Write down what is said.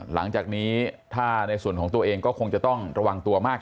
หลังจากนี้ถ้าในส่วนของตัวเองก็คงจะต้องระวังตัวมาก